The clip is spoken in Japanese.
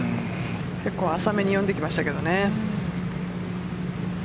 結構、浅めに読んでいきましたけどね。